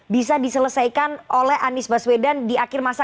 bisa diselesaikan oleh anies baswedan di akhir masa